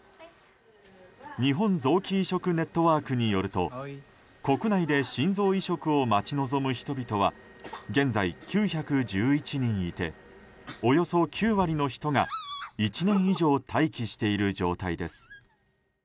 日本臓器移植ネットワークによると国内で心臓移植を待ち望む人々は現在、９１１人いておよそ９割の人が１年以上待機している状態です。